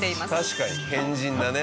確かに変人だね。